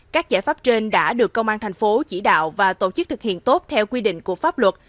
các giải pháp trên đã được công an thành phố chỉ đạo và tổ chức thực hiện tốt theo quy định của pháp luật